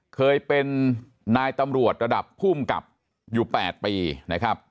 เคยเป็นนายตำรวจระดับภูมิกับอยู่๘ปีนะครับ